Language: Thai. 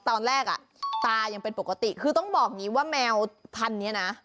ตอนแรกอ่ะตายังเป็นปกติคือต้องบอกอย่างนี้ว่าแมวพันธุ์นี้นะ